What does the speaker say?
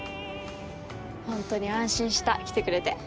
ホントに安心した。来てくれて。